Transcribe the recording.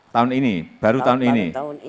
tahun ini baru tahun ini